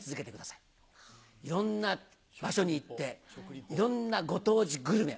いろんな場所に行っていろんなご当地グルメを。